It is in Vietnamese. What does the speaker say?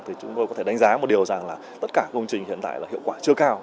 thì chúng tôi có thể đánh giá một điều rằng là tất cả công trình hiện tại là hiệu quả chưa cao